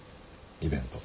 イベント。